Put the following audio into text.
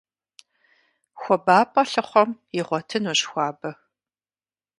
ХуабапӀэ лъыхъуэм игъуэтынущ хуабэ.